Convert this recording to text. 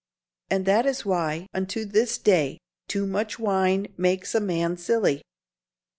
And that is why, unto this day, too much wine makes a man silly.